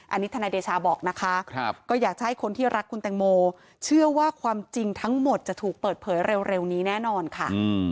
อันนี้ทนายเดชาบอกนะคะก็อยากจะให้คนที่รักคุณแตงโมเชื่อว่าความจริงทั้งหมดจะถูกเปิดเผยเร็วนี้แน่นอนค่ะ